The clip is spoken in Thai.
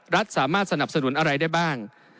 สามารถสนับสนุนอะไรได้บ้าง